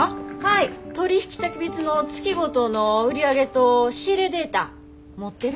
取引先別の月ごとの売り上げと仕入れデータ持ってる？